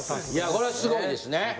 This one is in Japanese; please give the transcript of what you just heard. これはすごいですね。